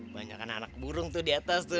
banyakan anak burung tuh diatas tuh